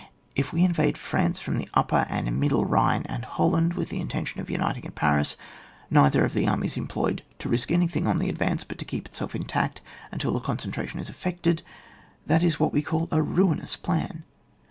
If we invade France from the upper and middle Bhine and Holland, with the intention of uniting at Paris, neither of the armies employed to risk anything on the advance, but to keep itself intact until the concentration is effect^, that is what we call a ruinous plan.